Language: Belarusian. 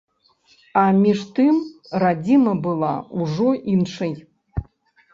А між тым, радзіма была ўжо іншай.